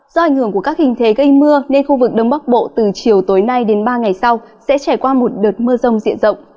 do ảnh hưởng của các hình thế gây mưa nên khu vực đông bắc bộ từ chiều tối nay đến ba ngày sau sẽ trải qua một đợt mưa rông diện rộng